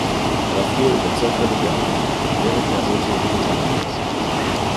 Er war früher überzeugter Veganer, während er heute Vegetarier ist.